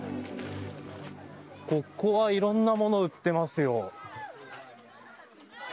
ここはいろんなものを売ってますよ。